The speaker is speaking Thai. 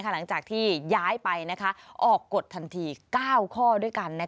หลังจากที่ย้ายไปออกกฎทันที๙ข้อด้วยกัน